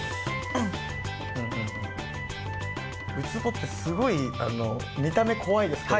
ウツボってすごい見た目怖いですけど。